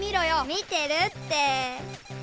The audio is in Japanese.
見てるって。